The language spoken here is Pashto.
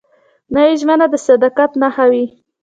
نوې ژمنه د صداقت نښه وي